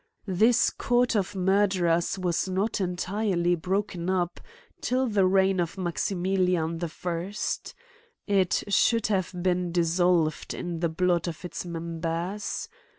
This Court of murderers was not entirely broken up till the reign of Maximilian the 1st. it should have been dissolved in the blood of its members.